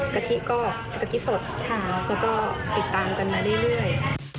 กะทิก็กะทิสดค่ะแล้วก็ติดตามกันมาเรื่อย